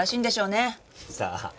さあ。